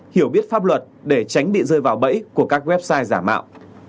hiểu biết pháp luật để tránh bị rơi vào bẫy của các website giả mạo